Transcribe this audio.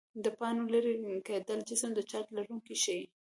د پاڼو لیري کېدل جسم د چارج لرونکی ښيي.